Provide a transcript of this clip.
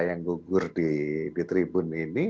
yang gugur di tribun ini